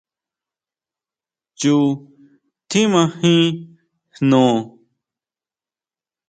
Chu tjímajin jno.